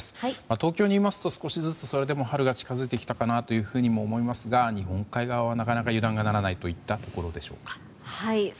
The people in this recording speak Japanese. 東京にいますと、少しずつ春が近づいてきたかなと思いますが日本海側はなかなか油断がならないといったところでしょうか。